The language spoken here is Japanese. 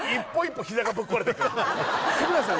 日村さん